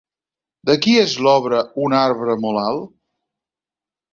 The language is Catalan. De qui és l'obra 'Un arbre molt alt'?